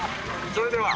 それでは！